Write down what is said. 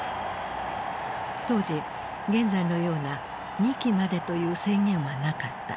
当時現在のような２期までという制限はなかった。